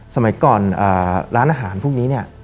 สมัยก่อนร้านอาหารพวกนี้เนี่ย